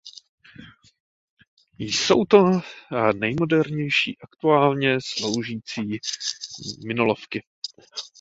Jsou to nejmodernější aktuálně sloužící minolovky.